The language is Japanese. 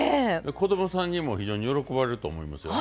子供さんにも非常に喜ばれると思いますよ。